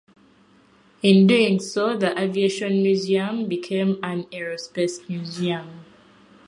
In doing so the aviation museum became an aerospace museum.